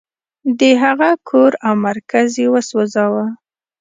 د هغه کور او مرکز یې وسوځاوه.